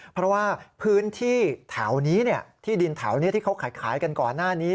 เพราะว่าพื้นที่แถวนี้ที่ดินแถวนี้ที่เขาขายกันก่อนหน้านี้